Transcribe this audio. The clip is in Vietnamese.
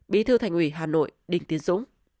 một mươi hai bí thư thành ủy hà nội đình tiến dũng